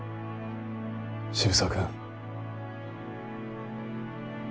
渋沢君。